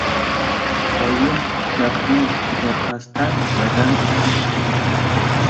Oyim gapini tugatmasdan dadam ilib ketadi.